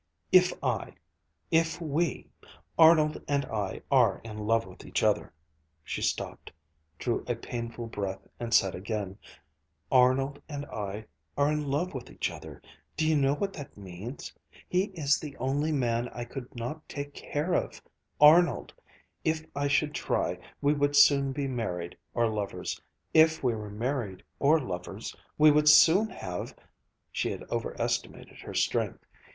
"If I if we Arnold and I are in love with each other." She stopped, drew a painful breath, and said again: "Arnold and I are in love with each other. Do you know what that means? He is the only man I could not take care of Arnold! If I should try, we would soon be married, or lovers. If we were married or lovers, we would soon have " She had overestimated her strength.